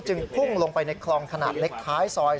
พุ่งลงไปในคลองขนาดเล็กท้ายซอย